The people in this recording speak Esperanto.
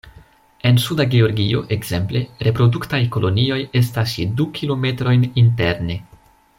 En Suda Georgio, ekzemple, reproduktaj kolonioj estas je du kilometrojn interne.